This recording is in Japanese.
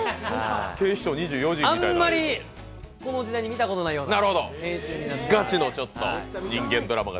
あんまりこの時代に見たことないような。